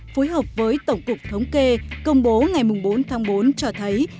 phối hợp với tổng cục thống kê công bố ngày bốn tháng bốn cho thấy